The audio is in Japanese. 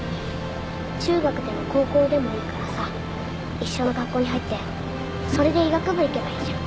中学でも高校でもいいからさ一緒の学校に入ってそれで医学部行けばいいじゃん。